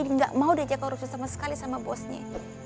jadi enggak mau dia jaga korupsi sama sekali sama bosnya